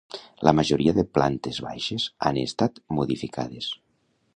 La majoria de plantes baixes han estat modificades.